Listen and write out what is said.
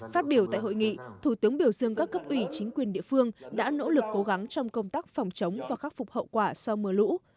phát biểu tại hội nghị thủ tướng biểu dương các cấp ủy chính quyền địa phương đã nỗ lực cố gắng trong công tác phòng chống và khắc phục hậu quả sau mưa lũ